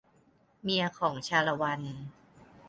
เมียของชาละวัน